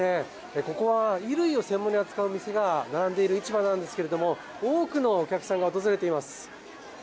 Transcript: ここは衣類を専門に扱う店が並んでいる市場なんですけど、多くのお客さんが訪れています。